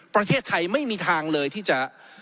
ประเทศไทยไม่มีทางเลยที่จะ